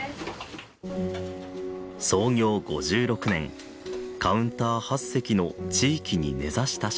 創業５６年カウンター８席の地域に根ざした食堂。